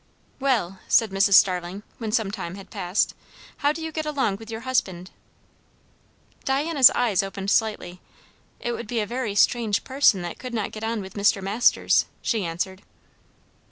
"Well," said Mrs. Starling, when some time had passed, "how do you get along with your husband?" Diana's eyes opened slightly. "It would be a very strange person that could not get on with Mr. Masters," she answered.